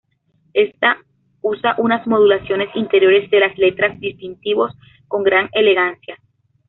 Ésta usa unas modulaciones interiores de las letras distintivos, con gran elegancia.